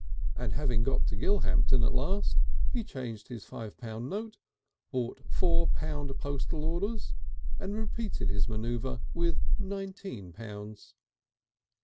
And having got to Gilhampton at last, he changed his five pound note, bought four pound postal orders, and repeated his manoeuvre with nineteen pounds.